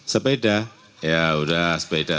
sepeda ya sudah sepeda